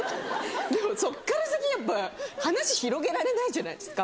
でもそっから先やっぱ話広げられないじゃないですか。